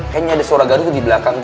kayaknya ada suara gaduh di belakang